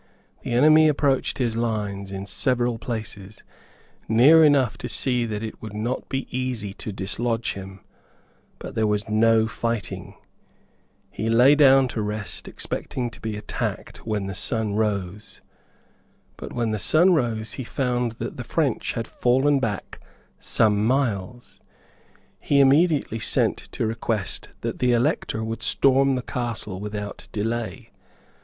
The enemy approached his lines in several places, near enough to see that it would not be easy to dislodge him; but there was no fighting. He lay down to rest, expecting to be attacked when the sun rose. But when the sun rose he found that the French had fallen back some miles. He immediately sent to request that the Elector would storm the castle without delay.